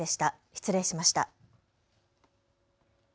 失礼しました。